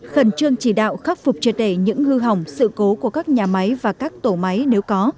khẩn trương chỉ đạo khắc phục triệt để những hư hỏng sự cố của các nhà máy và các tổ máy nếu có